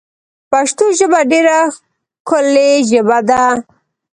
پشتو ژبه ډېره ښکولي ژبه ده